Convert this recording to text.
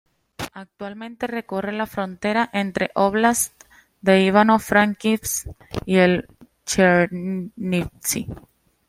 Actualmente recorre la frontera entre el óblast de Ivano-Frankivsk y el de Chernivtsi.